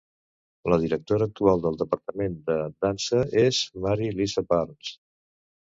La directora actual del departament de dansa és Mary Lisa Burns.